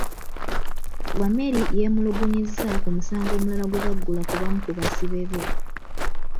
Wameli yeemulugunyizza ku musango omulala gwe baggula ku bamu ku basibe be.